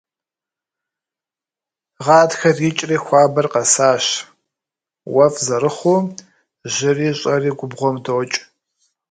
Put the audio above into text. Гъатхэр икӏри хуабэр къэсащ, уэфӏ зэрыхъуу жьыри щӏэри губгъуэм докӏ.